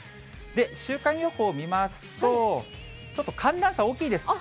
週間予報見ますと、ちょっと寒暖差大きいです。